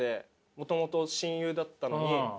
もともと親友だったのに。